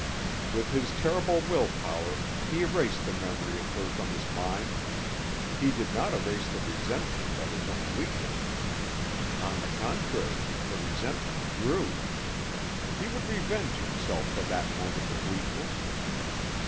With his terrible will power he erased the memory of her from his mind. He did not erase the resentment at his own weakness. On the contrary, the resentment grew. He would revenge himself for that moment of weakness.